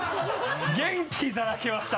元気いただきました！